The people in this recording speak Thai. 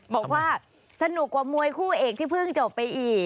บอกว่าสนุกกว่ามวยคู่เอกที่เพิ่งจบไปอีก